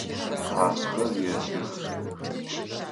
Къазхэр есых.